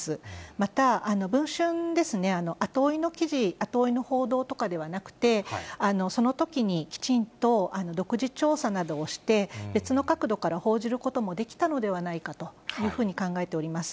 また、文春ですね、後追いの記事、後追いの報道とかではなくて、そのときにきちんと独自調査などをして、別の角度から報じることもできたのではないかというふうに考えております。